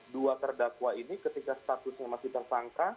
dua terdakwa ini ketika statusnya masih tersangka